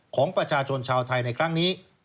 ของประชาชนชาวไทยในครั้งนี้